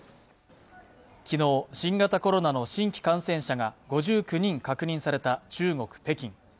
昨日、新型コロナの新規感染者が５９人確認された中国・北京。